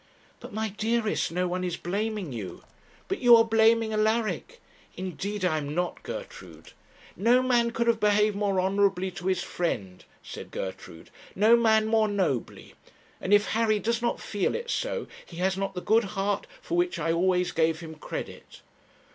'But, my dearest, no one is blaming you.' 'But you are blaming Alaric.' 'Indeed I am not, Gertrude.' 'No man could have behaved more honourably to his friend,' said Gertrude; 'no man more nobly; and if Harry does not feel it so, he has not the good heart for which I always gave him credit.'